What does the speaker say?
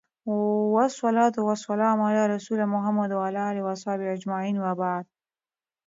والصلوة والسلام على رسوله محمد وعلى اله واصحابه اجمعين وبعد